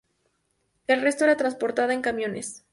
El resto era transportada en camiones.